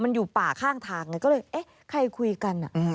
มันอยู่ป่าข้างทางไงก็เลยเอ๊ะใครคุยกัน